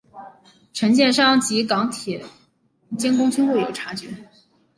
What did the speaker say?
承建商及港铁监工均未有察觉。